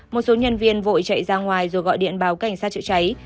một số nhân viên vội chạy ra ngoài rồi gọi điện báo cảnh sát chữa cháy